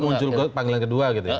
muncul panggilan kedua gitu ya